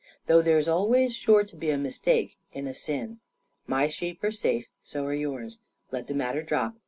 Though there's always sure to be a mistake in a sin. My sheep are safe. So are yours. Let the matter drop.